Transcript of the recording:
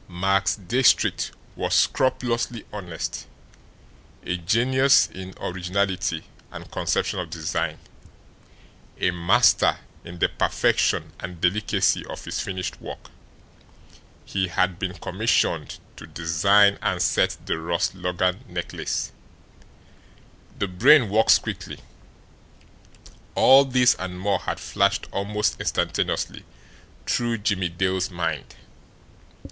Max Diestricht was scrupulously honest, a genius in originality and conception of design, a master in the perfection and delicacy of his finished work he had been commissioned to design and set the Ross Logan necklace. The brain works quickly. All this and more had flashed almost instantaneously through Jimmie Dale's mind.